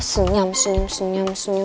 senyum senyum senyum senyum